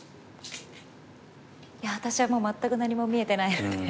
いや私はもう全く何も見えてないので。